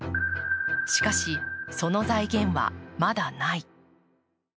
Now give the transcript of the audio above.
しかし、その財源はまだない。